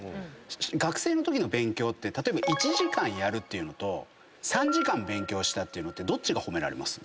学生のときの勉強って例えば１時間やるっていうのと３時間勉強したっていうのってどっちが褒められます？